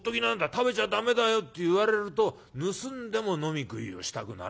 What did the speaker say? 食べちゃ駄目だよ』って言われると盗んでも飲み食いをしたくなるんだ。